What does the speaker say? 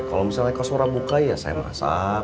kalau misalnya kaswara buka ya saya masak